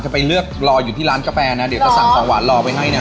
ไปเลือกรออยู่ที่ร้านกาแฟนะเดี๋ยวจะสั่งของหวานรอไปให้เนี่ย